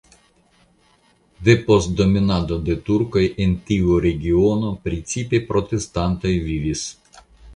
Depost dominado de turkoj en tiu regiono precipe protestantoj vivis.